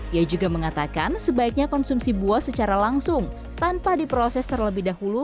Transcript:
ia juga mengatakan sebaiknya konsumsi buah secara langsung tanpa diproses terlebih dahulu